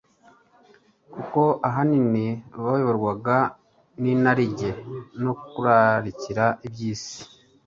kuko, ahanini, bayoborwaga n’inarijye no kurarikira iby’isi.